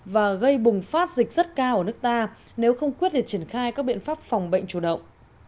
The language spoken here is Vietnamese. và gây bùng phát dịch rất cao ở nước ta nếu không quyết liệt triển khai các biện pháp phòng bệnh chủ động